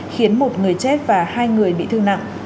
khiến một người chết và hai người bị thương nặng